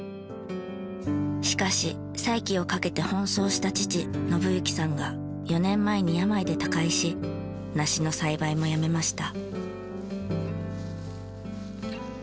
しかし再起をかけて奔走した父信行さんが４年前に病で他界し梨の栽培もやめました。